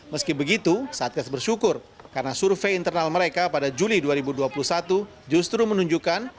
meski begitu satgas bersyukur karena survei internal mereka pada juli dua ribu dua puluh satu justru menunjukkan